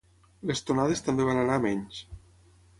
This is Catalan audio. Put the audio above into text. les tonades també van anar a menys